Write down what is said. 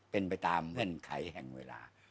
เป็นไปตามเงื่อนไขแห่งเวลา